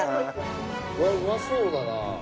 わあうまそうだな。